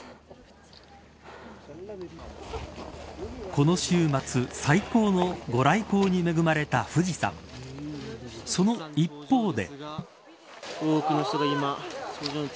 この週末、最高の御来光に恵まれた富士山その一方で。